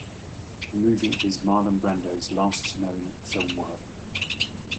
The movie is Marlon Brando's last known film work.